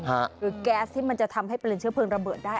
แก๊สที่มันจะทำให้เป็นเชื้อเพลิงระเบิดได้